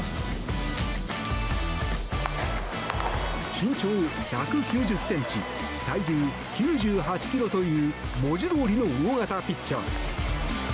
身長１９０ｃｍ体重９８ｋｇという文字どおりの大型ピッチャー。